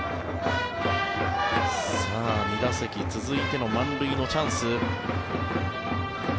２打席続いての満塁のチャンス。